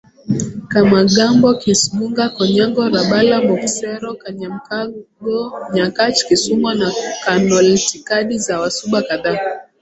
Kamagambo Kasgunga Konyango Rabala Muksero Kanyamkago Nyakach Kisumo na KanoItikadi za Wasuba kadhaa